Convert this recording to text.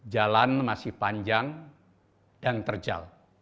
jalan masih panjang dan terjal